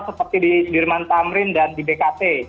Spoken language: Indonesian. seperti di sudirman tamrin dan di bkt